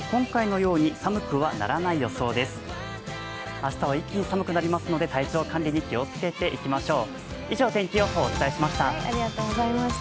明日は一気に寒くなりますので体調管理に気をつけていきましょう。